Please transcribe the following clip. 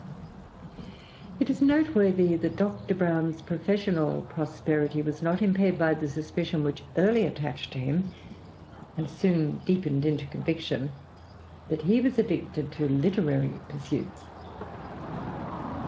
It is noteworthy that Dr. Browne's professional prosperity was not impaired by the suspicion which early attached to him, and soon deepened into conviction, that he was addicted to literary pursuits.